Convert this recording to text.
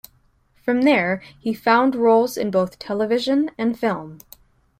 From there, he found roles in both television and film.